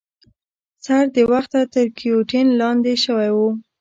سر د وخته تر ګیوتین لاندي شوی وو.